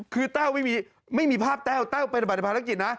คือแต้วไม่มีภาพแต้วแต้วไปปฏิบัติภารกิจนะ